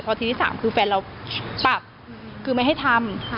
พอทีที่สามคือแฟนเราปรับคือไม่ให้ทำ